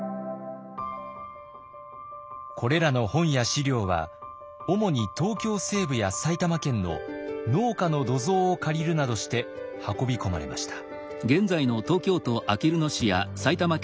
これらの本や史料は主に東京西部や埼玉県の農家の土蔵を借りるなどして運び込まれました。